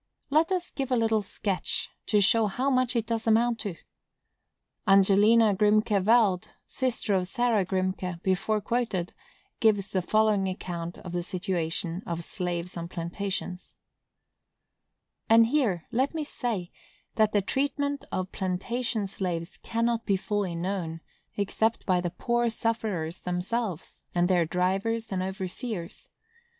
Let us give a little sketch, to show how much it does amount to. Angelina Grimké Weld, sister to Sarah Grimké, before quoted, gives the following account of the situation of slaves on plantations: And here let me say, that the treatment of plantation slaves cannot be fully known, except by the poor sufferers themselves, and their drivers and overseers.